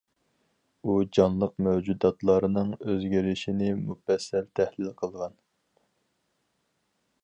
ئۇ جانلىق مەۋجۇداتلارنىڭ ئۆزگىرىشىنى مۇپەسسەل تەھلىل قىلغان.